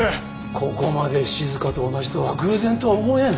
ここまでしずかと同じとは偶然とは思えん。